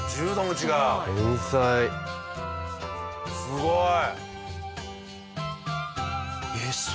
すごい！